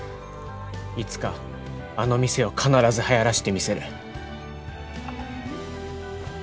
いつかあの店を必ずはやらせてみせる。